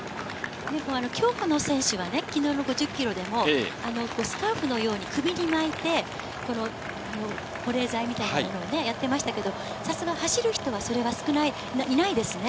競歩の選手はね、きのうの５０キロでも、スカーフのように首に巻いて、保冷剤みたいなものをね、やってましたけれども、さすが走る人は、そうですね。